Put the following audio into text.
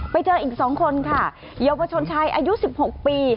ไปเจออีก๒คนค่ะเยาวชนชายอายุ๑๖ปี